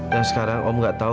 dan sekarang om gak tau